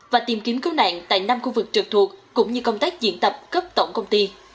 và tìm kiếm cứu nạn tại năm khu vực trực thuộc cũng như công tác diễn tập cấp tổng công ty